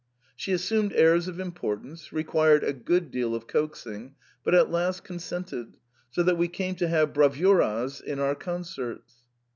She assumed airs of importance, required a good deal of coaxing, but at last consented, so that we came to have braimras in our concerts.